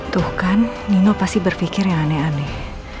tuh kan nino pasti berpikir yang aneh aneh